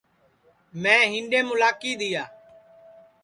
میں ہِیڈؔیم اُلاکی دِؔیا